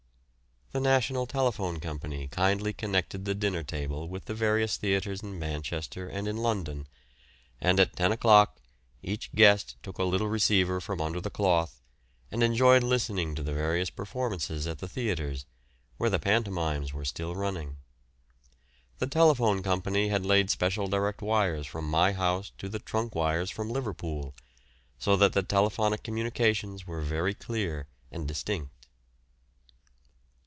The National Telephone Company kindly connected the dinner table with the various theatres in Manchester and in London, and at ten o'clock each guest took a little receiver from under the cloth and enjoyed listening to the various performances at the theatres, where the pantomimes were still running. The Telephone Company had laid special direct wires from my house to the trunk wires from Liverpool, so that the telephonic communications were very clear and distinct.